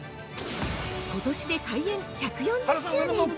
ことしで開園１４０周年。